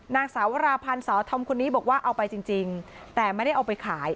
นางสาวราพันธ์สาวธรรมคนนี้บอกว่าเอาไปจริงแต่ไม่ได้เอาไปขาย